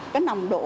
cái nồng độ